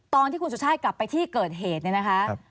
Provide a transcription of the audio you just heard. ตอนที่คุณสุชาติกลับไปที่เกิดเหตุเนี่ยนะคะ